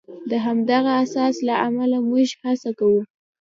د همدغه احساس له امله موږ هڅه کوو.